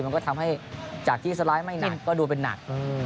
มันก็ทำให้จากที่สไลด์ไม่เน้นก็ดูเป็นหนัก